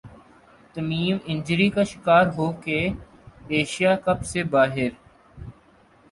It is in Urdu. تمیم انجری کا شکار ہو کر ایشیا کپ سے باہر